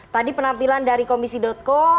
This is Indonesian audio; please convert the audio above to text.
tadi penampilan dari komisi co